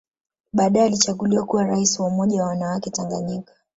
Baadae alichaguliwa kuwa Rais wa Umoja wa wanawake Tanganyika